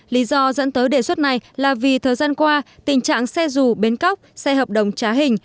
lý do dẫn tới đề xuất này là vì thời gian qua tình trạng xe dù bến cóc xe hợp đồng trá hình